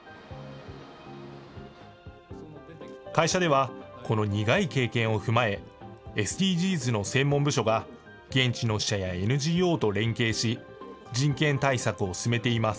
会社では、この苦い経験を踏まえ、ＳＤＧｓの専門部署が、現地の支社やＮＧＯと連携し、人権対策を進めています。